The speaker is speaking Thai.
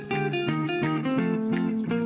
พร้อม